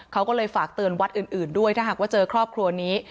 เขาก็เลยฝากเตือนวัดอื่นด้วยถ้าหากว่าเจอครอบครัวนี้